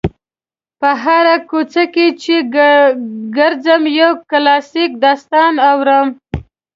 په هره کوڅه کې چې ګرځم یو کلاسیک داستان اورم.